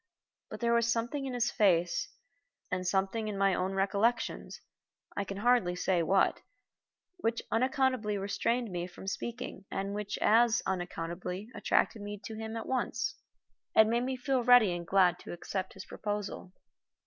But there was something in his face, and something in my own recollections I can hardly say what which unaccountably restrained me from speaking and which as unaccountably attracted me to him at once, and made me feel ready and glad to accept his proposal.